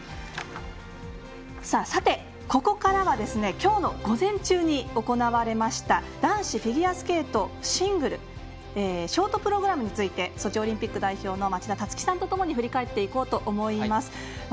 さて、ここからはきょうの午前中に行われました男子フィギュアスケートシングルショートプログラムについてソチオリンピック代表の町田樹さんとともに振り返っていこうと思います。